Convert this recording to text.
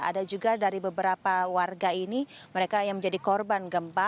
ada juga dari beberapa warga ini mereka yang menjadi korban gempa